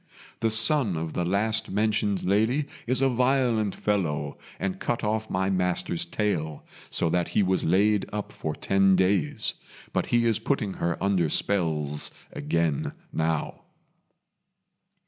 The son of the last mentioned lady is a violent fellow, and cut off my master's tail, so that he was laid up for ten days. But he is putting her under spells again now."